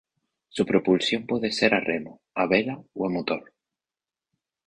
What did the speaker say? Su propulsión puede ser a remo, a vela o a motor.